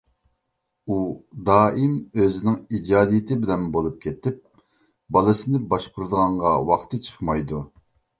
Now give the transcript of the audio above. ئۇ دائىم ئۆزىنىڭ ئىجادىيىتى بىلەن بولۇپ كېتىپ بالىسىنى باشقۇرىدىغانغا ۋاقتى چىقمايدۇ.